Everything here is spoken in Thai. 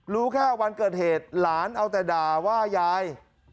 รู้แค่วันเกิดเหตุหลานเอาแต่ด่าว่ายาย